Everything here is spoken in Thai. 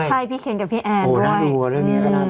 ใช่พี่เคนกับพี่แอดด้วยโหน่าดูล่ะ